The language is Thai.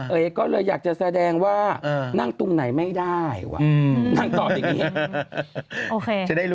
เอ๊ก็เลยอยากจะแสดงว่านั่งตรงไหนไม่ได้วะ